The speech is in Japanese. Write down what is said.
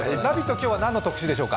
今日は何の特集でしょうか？